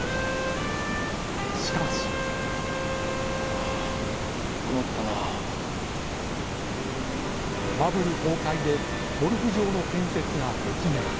しかしバブル崩壊でゴルフ場の建設が激減。